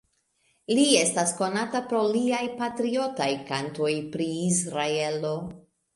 Li estas konata pro liaj patriotaj kantoj pri Israelo.